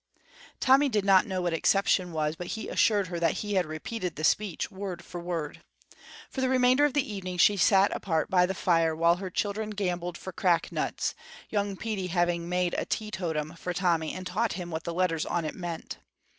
Tommy did not know what exception was, but he assured her that he had repeated the speech, word for word. For the remainder of the evening she sat apart by the fire, while her children gambled for crack nuts, young Petey having made a teetotum for Tommy and taught him what the letters on it meant.